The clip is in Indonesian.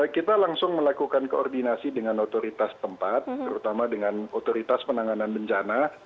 kita langsung melakukan koordinasi dengan otoritas tempat terutama dengan otoritas penanganan bencana